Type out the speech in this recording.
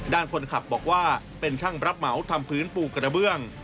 ด้านคนขับบอกว่าเป็นช่างรับเหมาทำพื้นปูกระเบื้อง